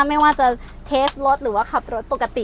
ไม่ว่าจะเทสรถหรือว่าขับรถปกติ